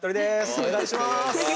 お願いします。